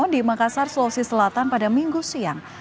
di makassar sulawesi selatan pada minggu siang